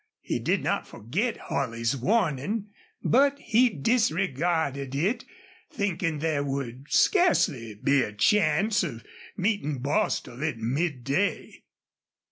He did not forget Holley's warning, but he disregarded it, thinking there would scarcely be a chance of meeting Bostil at midday.